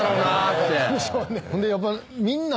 ほんでやっぱ。